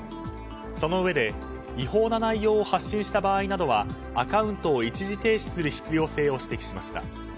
そのうえで、違法な内容を発信した場合などはアカウントを一時停止する必要性を指摘しました。